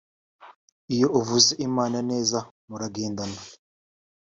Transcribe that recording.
Iyo uvuze Imana neza muragendana